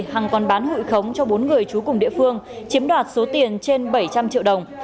hằng đã lập khống cho bốn người chú cùng địa phương chiếm đoạt số tiền trên bảy trăm linh triệu đồng